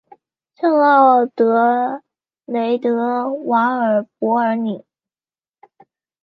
圣昂德雷德瓦尔博尔尼。